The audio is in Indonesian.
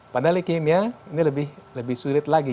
padahal leukemia ini lebih sulit lagi